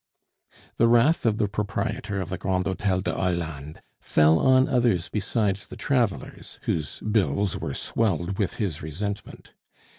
The wrath of the proprietor of the Grand Hotel de Hollande fell on others besides the travelers, whose bills were swelled with his resentment.